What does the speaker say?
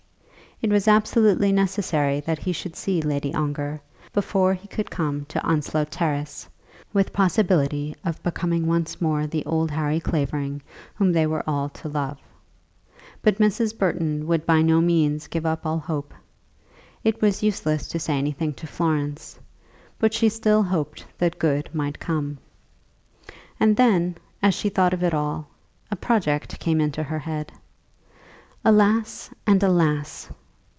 It was absolutely necessary that he should see Lady Ongar before he could come to Onslow Terrace, with possibility of becoming once more the old Harry Clavering whom they were all to love. But Mrs. Burton would by no means give up all hope. It was useless to say anything to Florence, but she still hoped that good might come. And then, as she thought of it all, a project came into her head. Alas, and alas!